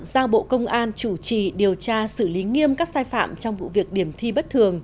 giao bộ công an chủ trì điều tra xử lý nghiêm các sai phạm trong vụ việc điểm thi bất thường